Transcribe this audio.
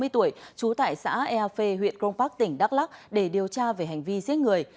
sáu mươi tuổi trú tại xã ea phê huyện công park tp đắk lắc để điều tra về hành vi giết người